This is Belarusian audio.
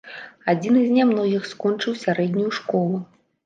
Адзіны з нямногіх скончыў сярэднюю школу.